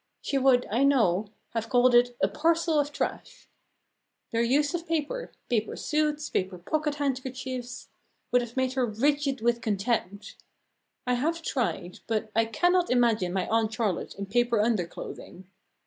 She would, I know, have called it a "parcel of trash." Their use of paper paper suits, paper pocket handkerchiefs would have made her rigid with contempt. I have tried, but I cannot imagine my Aunt Charlotte in paper underclothing.